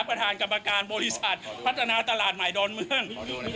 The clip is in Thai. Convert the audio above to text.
ประธานกรรมการบริษัทพัฒนาตลาดใหม่ดอนเมือง